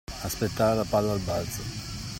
Aspettare la palla al balzo.